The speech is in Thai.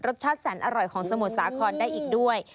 รสชาติแสนอร่อยของสมุทรสาครได้อีกด้วย